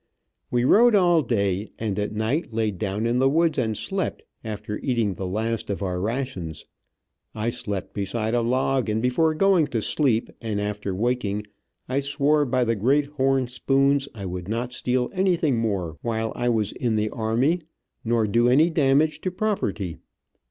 We rode all day, and at night laid down in the woods and slept, after eating the last of our rations. I slept beside a log, and before going to sleep and after waking, I swore by the great horn spoons I would not steal anything more while I was in the army, nor do any damage to property.